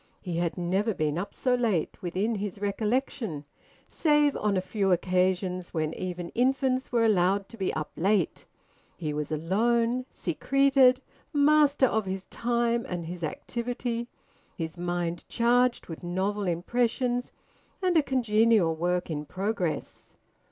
He had never been up so late, within his recollection, save on a few occasions when even infants were allowed to be up late. He was alone, secreted, master of his time and his activity, his mind charged with novel impressions, and a congenial work in progress.